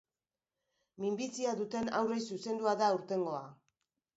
Minbizia duten haurrei zuzendua da aurtengoa.